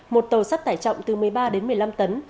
một tàu sắt tải trọng từ một mươi ba đến một mươi năm tấn